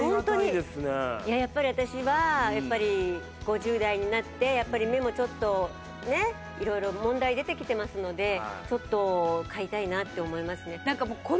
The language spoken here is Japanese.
いややっぱり私は５０代になってやっぱり目もちょっとね色々問題出てきてますのでちょっと買いたいなって思いますね。